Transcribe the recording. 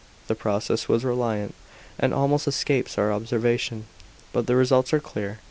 The process was rilent and almost escapes our observation; but the results are clear.